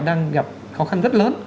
đang gặp khó khăn rất lớn